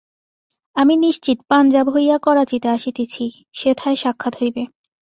আমি নিশ্চিত পাঞ্জাব হইয়া করাচিতে আসিতেছি, সেথায় সাক্ষাৎ হইবে।